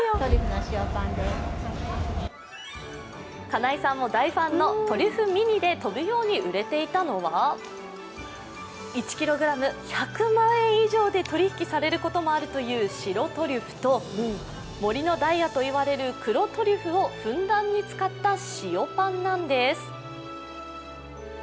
金井さんも大ファンのＴＲＵＦＦＬＥｍｉｎｉで飛ぶように売れていたのは１ｋｇ１００万円以上で取り引きされることもあるという白トリュフと森のダイヤといわれる黒トリュフをふんだんに使った塩パンなんです。